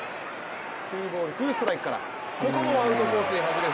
ツーボール、ツーストライクからここもアウトコースに外れます。